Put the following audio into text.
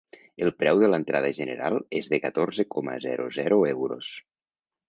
El preu de l’entrada general és de catorze coma zero zero euros.